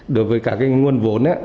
đối với các nguồn vốn